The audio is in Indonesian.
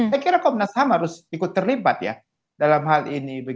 saya kira komnas ham harus ikut terlibat ya dalam hal ini